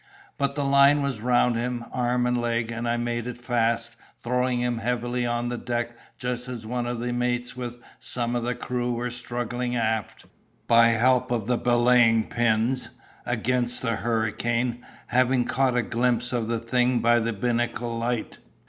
But the line was round him, arm and leg, and I made it fast, throwing him heavily on the deck just as one of the mates with some of the crew were struggling aft, by help of the belaying pins, against the hurricane, having caught a glimpse of the thing by the binnacle light.